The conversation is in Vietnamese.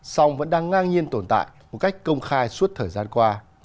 song vẫn đang ngang nhiên tồn tại một cách công khai suốt thời gian qua